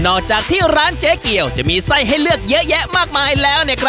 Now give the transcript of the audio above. จากที่ร้านเจ๊เกียวจะมีไส้ให้เลือกเยอะแยะมากมายแล้ว